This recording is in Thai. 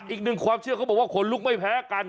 อีกหนึ่งความเชื่อเขาบอกว่าขนลุกไม่แพ้กัน